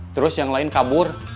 terus yang lain kabur